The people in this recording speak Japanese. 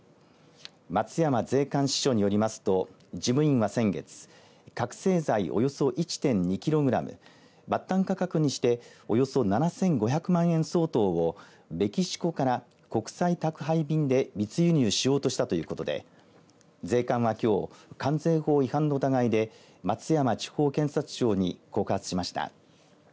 松山税関支署によりますと事務員は先月覚醒剤およそ１．２キログラム末端価格にしておよそ７５００万円相当をメキシコから国際宅配便で密輸入しようとしたということで税関はきょう関税法違反の疑いで松山地方検察庁に告発しました。